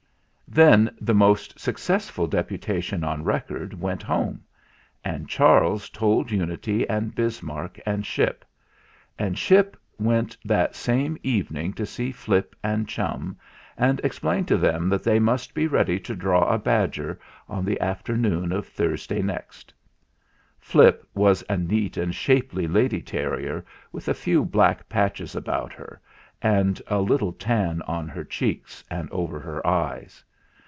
Then the most successful Deputation on rec ord went home, and Charles told Unity and Bismarck and Ship; and Ship went that same evening to see Flip and Chum and explain to them that they must be ready to draw a badger on the afternoon of Thursday next. 304 THE FLINT HEART Flip was a neat and shapely lady terrier, with a few black patches about her and a little tan on her cheeks and over her eyes.